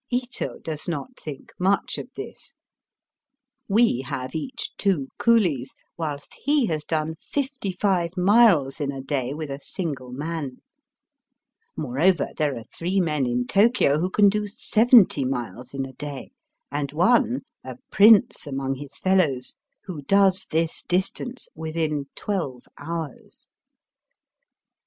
Ito does not think much of this. We have each two coolies, whilst he has done fifty five miles in a day with a single Digitized by VjOOQIC EOADSIDE AND BIVBB. 276 man. Moreover, there are three men in Tokio who can do seventy miles in a day, and one, a prince among his fellows, who does this distance within twelve hours.